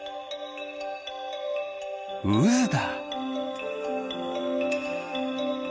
うずだ。